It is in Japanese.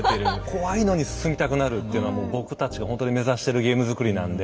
怖いのに進みたくなるっていうのはもう僕たちがほんとに目指してるゲーム作りなんで。